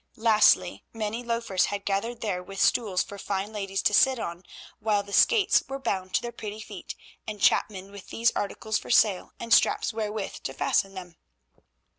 Lastly many loafers had gathered there with stools for fine ladies to sit on while the skates were bound to their pretty feet, and chapmen with these articles for sale and straps wherewith to fasten them.